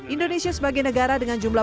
indonesia sebagai negara dengan jumlah